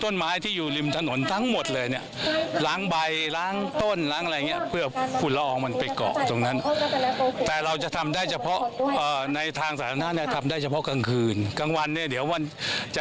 เดี๋ยวไปฟังเสียงผู้ว่ากรุงเทพหน่อยนะคะ